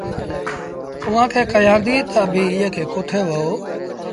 اُئآݩٚ کي ڪهيآندي تا، ”اڀيٚنٚ ايٚئي کي ڪوٺي وهو